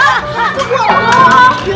aduh ustadz buta